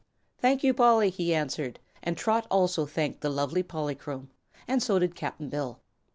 "Thank you, Polly," he answered, and Trot also thanked the lovely Polychrome and so did Cap'n Bill.